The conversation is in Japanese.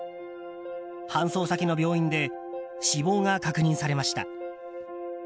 搬送先の病院で死亡が確認されました。